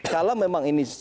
kalau memang ini